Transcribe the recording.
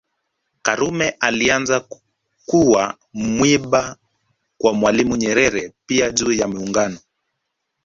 karume alianza kuwa mwiba kwa Mwalimu Nyerere pia juu ya Muungano